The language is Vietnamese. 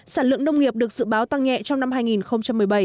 sản lượng nông nghiệp được dự báo tăng nhẹ trong năm hai nghìn một mươi bảy